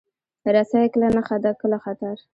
رسۍ کله نښه ده، کله خطر.